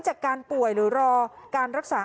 จากการป่วยหรือรอการรักษา